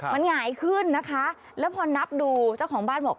มันหงายขึ้นนะคะแล้วพอนับดูเจ้าของบ้านบอก